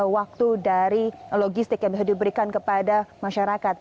waktu dari logistik yang bisa diberikan kepada masyarakat